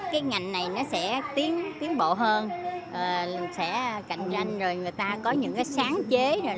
cái ngành này nó sẽ tiến bộ hơn sẽ cạnh tranh rồi người ta có những cái sáng chế